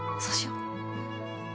そうしよ？